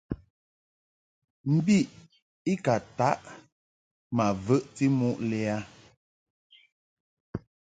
Mbiʼ i ka ntaʼ ma vəʼti muʼ lɛ a.